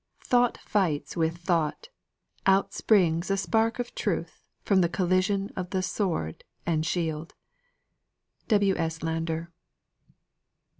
"Thought fights with thought; out springs a spark of truth From the collision of the sword and shield." W. S. LANDOR.